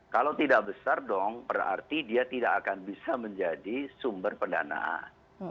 kalau tidak besar dong berarti dia tidak akan bisa menjadi sumber pendanaan